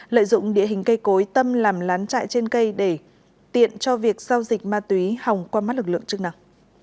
lợi dụng địa hình cây cối tâm làm lán chạy trên cây để tiện cho việc giao dịch ma túy hòng qua mắt lực lượng chức năng